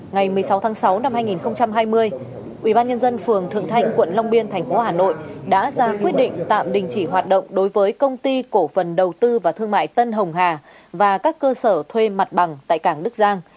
ngày một mươi sáu tháng sáu năm hai nghìn hai mươi ubnd phường thượng thanh quận long biên thành phố hà nội đã ra quyết định tạm đình chỉ hoạt động đối với công ty cổ phần đầu tư và thương mại tân hồng hà và các cơ sở thuê mặt bằng tại cảng đức giang